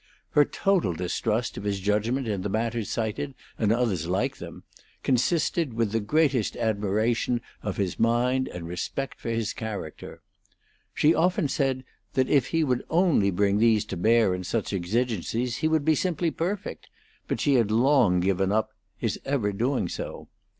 Her total distrust of his judgment in the matters cited and others like them consisted with the greatest admiration of his mind and respect for his character. She often said that if he would only bring these to bear in such exigencies he would be simply perfect; but she had long given up his ever doing so.